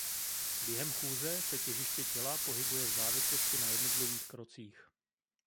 Během chůze se těžiště těla pohybuje v závislosti na jednotlivých krocích.